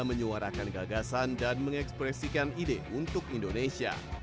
menyuarakan gagasan dan mengekspresikan ide untuk indonesia